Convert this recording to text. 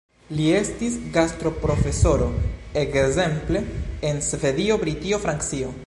Li estis gastoprofesoro ekzemple en Svedio, Britio, Francio.